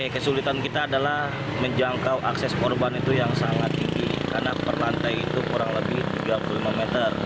kesulitan kita adalah menjangkau akses korban itu yang sangat tinggi karena per lantai itu kurang lebih tiga puluh lima meter